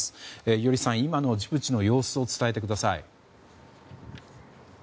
伊従さん、今のジブチの様子を伝えてください。